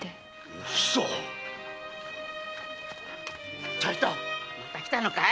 お房‼また来たのかい。